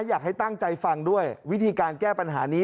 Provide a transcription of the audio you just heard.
อยากให้ตั้งใจฟังด้วยวิธีการแก้ปัญหานี้